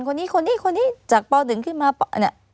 คนนี้คนนี้คนนี้จากป๑ขึ้นมาเนี่ย